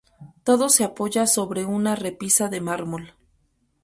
Todo se apoya sobre una repisa de mármol.